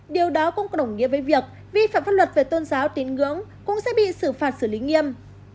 điều đó cũng có đồng nghĩa với việc vi phạm pháp luật về tôn giáo tín ngưỡng cũng sẽ bị xử phạt xử lý nghiêm